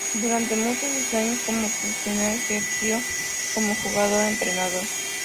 Durante muchos de sus años como profesional ejerció como jugador-entrenador.